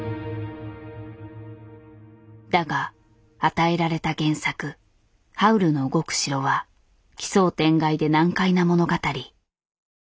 だが与えられた原作「ハウルの動く城」は奇想天外で難解な物語。